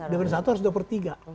dpd satu harus dua per tiga